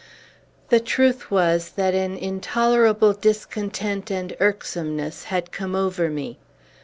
The truth was, that an intolerable discontent and irksomeness had come over me.